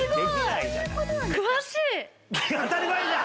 当たり前じゃ！